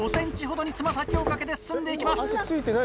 ５ｃｍほどに爪先をかけて進んで行きます。